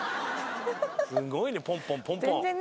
すごいねポンポンポンポン。